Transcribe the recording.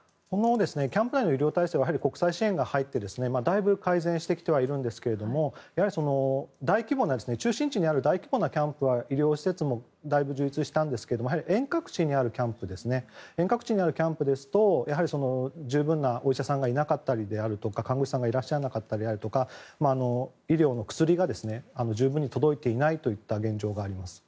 キャンプ内の医療体制は国際支援が入ってだいぶ改善してきてはいるんですけどもやはり、中心地にある大規模なキャンプは医療施設もだいぶ充実したんですけれどもやはり遠隔地にあるキャンプですと十分なお医者さんや看護師さんがいなかったり医療の薬が十分に届いていないといった現状があります。